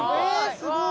すごい！